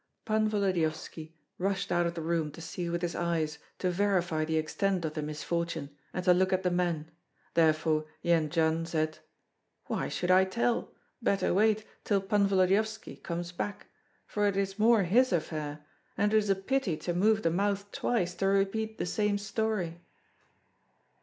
Pan Volodyovski rushed out of the room to see with his eyes, to verify the extent of the misfortune, and to look at the men; therefore Jendzian said, "Why should I tell? Better wait till Pan Volodyovski comes back; for it is more his affair, and it is a pity to move the mouth twice to repeat the same story."